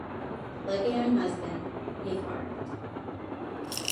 Like a young husband, he carved.